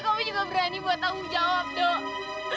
kamu juga berani buat tahu jawab doang